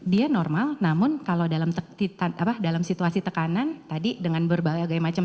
dia normal namun kalau dalam tit tanpa dalam situasi tekanan tadi dengan berbagai macam